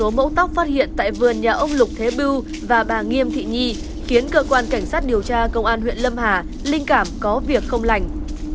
một số mẫu tóc phát hiện tại vườn nhà ông lục thế bưu và bà nghiêm thị nhi khiến cơ quan cảnh sát điều tra công an huyện lâm hà linh cảm có việc không lành